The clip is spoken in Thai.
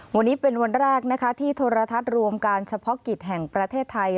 วันนี้เป็นวันแรกนะคะที่โทรทัศน์รวมการเฉพาะกิจแห่งประเทศไทย